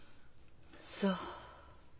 そう。